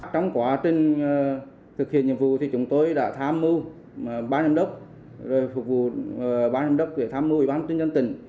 trong quá trình thực hiện nhiệm vụ thì chúng tôi đã tham mưu bán nhân đốc phục vụ bán nhân đốc để tham mưu ủy ban nhân dân tỉnh